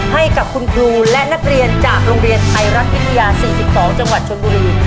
ให้กับคุณครูและนักเรียนจากโรงเรียนไทยรัฐวิทยา๔๒จังหวัดชนบุรี